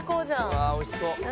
「うわーおいしそう」